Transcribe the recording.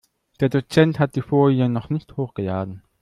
Der Dozent hat die Folien noch nicht hochgeladen.